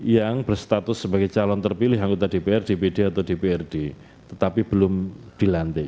yang berstatus sebagai calon terpilih anggota dpr dpd atau dprd tetapi belum dilantik